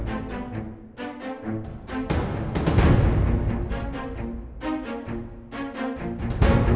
lagi lagi untuk kamu ini english lo